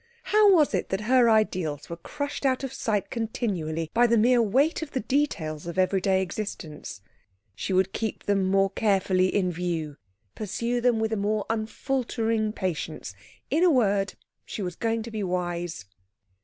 How was it that her ideals were crushed out of sight continually by the mere weight of the details of everyday existence? She would keep them more carefully in view, pursue them with a more unfaltering patience in a word, she was going to be wise.